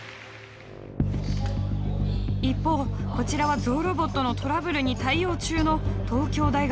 一方こちらはゾウロボットのトラブルに対応中の東京大学。